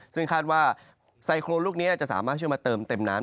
ซึ่งคาดว่าไซโครนลูกนี้จะสามารถช่วยมาเติมเต็มน้ำ